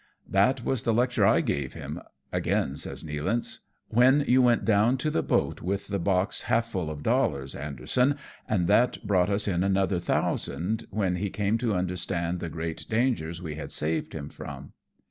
"That was the lecture I gave him/' again says Nealance, " when you went down to the boat with the box half full of dollars, Anderson, and that brought us in another thousand, when he came to understand the great dangers we had saved him from."